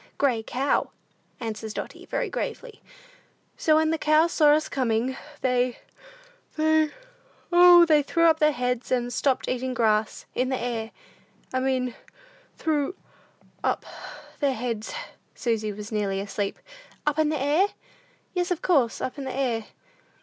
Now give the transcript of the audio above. "Gray cow," answers Dotty, very gravely. "So when the cows saw us coming, they they O, they threw up their heads, and stopped eating grass in the air. I mean threw up their heads." Susy was nearly asleep. "Up in the air?" "Yes, of course, up in the air.